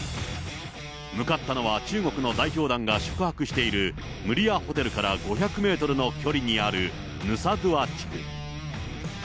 向かったのは中国の代表団が宿泊しているムリアホテルから５００メートルの距離にあるヌサドゥア地区。